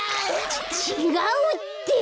ちちがうって！